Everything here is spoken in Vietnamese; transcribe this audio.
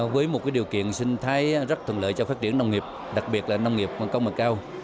với một điều kiện sinh thái rất thuận lợi cho phát triển nông nghiệp đặc biệt là nông nghiệp công nghệ cao